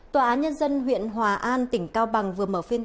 tòa án nhân dân huyện hòa an tỉnh cao bằng vừa mở phiên